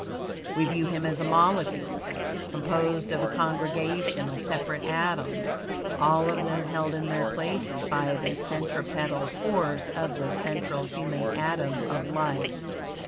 We view him as a molecule, composed of a congregation of separate atoms, all of them held in their places by the centripetal force of the central human atom of life.